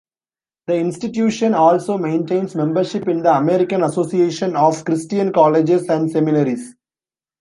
The institution also maintains membership in the American Association of Christian Colleges and Seminaries.